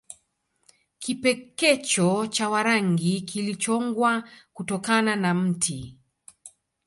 Kipekecho cha Warangi kilichongwa kutokana na mti